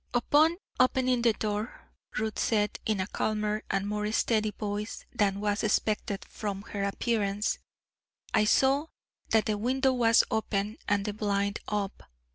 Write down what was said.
"Upon opening the door," Ruth said, in a calmer and more steady voice than was expected from her appearance, "I saw that the window was open and the blind up.